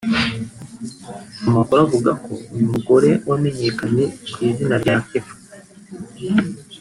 Amakuru avuga ko uyu mugore wamenyekanye ku izina rya Kefa